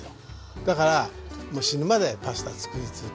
だからもう死ぬまでパスタつくり続けます。